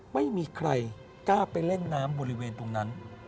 ไม่มีใครกล้าไปเล่นน้ำบริเวณตรงนั้น